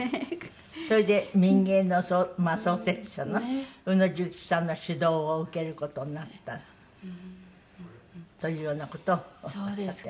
それで民藝の創設者の宇野重吉さんの指導を受ける事になった。というような事をおっしゃって。